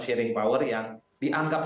sharing power yang dianggap